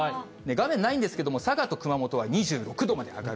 画面にないんですけども、佐賀と熊本は２６度まで上がる。